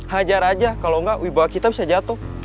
hajar aja kalau enggak wibawa kita bisa jatuh